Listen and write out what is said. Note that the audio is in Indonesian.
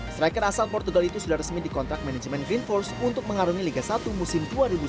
striker asal portugal itu sudah resmi dikontrak manajemen green force untuk mengarungi liga satu musim dua ribu sembilan belas